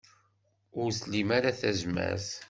Ur tlim ara tazmert.